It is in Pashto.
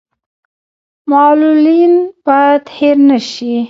معلولین باید هیر نشي